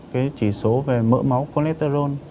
cái chỉ số về mỡ máu colesterol